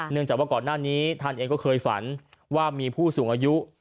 จากว่าก่อนหน้านี้ท่านเองก็เคยฝันว่ามีผู้สูงอายุ